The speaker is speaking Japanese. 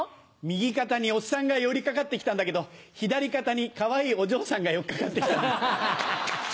右肩におっさんが寄り掛かって来たんだけど左肩にかわいいお嬢さんが寄っ掛かって来たんで。